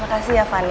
makasih ya fanny